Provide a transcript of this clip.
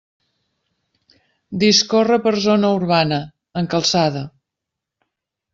Discorre per zona urbana, en calçada.